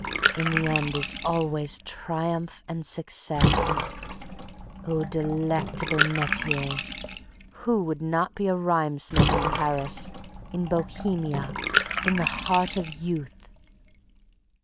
In the end is always triumph and success. O delectable métier! Who would not be a rhymesmith in Paris, in Bohemia, in the heart of youth!